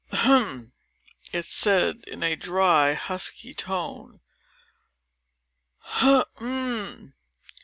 "Hem!" it said, in a dry, husky tone. "H e m!